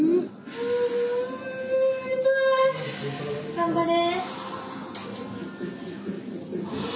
頑張れ！